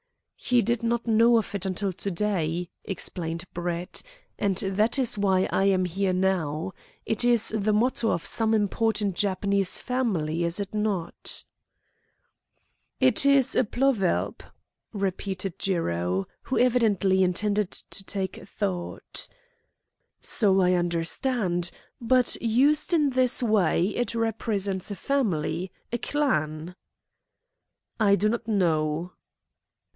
"He did not know of it until to day," explained Brett, "and that is why I am here now. It is the motto of some important Japanese family, is it not?" "It is a plovelb," repeated Jiro, who evidently intended to take thought. "So I understand, but used in this way it represents a family, a clan?" "I do not know."